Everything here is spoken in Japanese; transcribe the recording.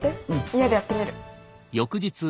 家でやってみる。